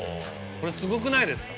これすごくないですか。